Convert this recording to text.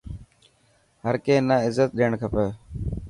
هر ڪي نا عزت ڏيڻ کپي.